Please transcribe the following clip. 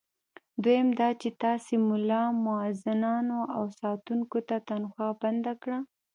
دویم دا چې تاسي ملا، مؤذنانو او ساتونکو ته تنخوا بنده کړه.